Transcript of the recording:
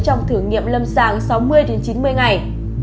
trong thử nghiệm lâm sàng sáu mươi chín mươi ngày